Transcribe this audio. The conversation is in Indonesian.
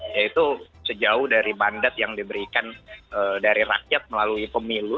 yaitu sejauh dari mandat yang diberikan dari rakyat melalui pemilu